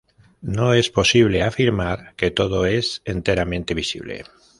No es posible afirmar que todo es enteramente visible.